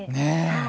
はい。